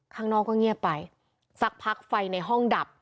ข้างนอกก็เงียบไปสักพักไฟในห้องดับ